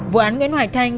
vụ án nguyễn hoài thanh